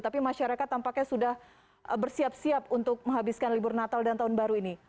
tapi masyarakat tampaknya sudah bersiap siap untuk menghabiskan libur natal dan tahun baru ini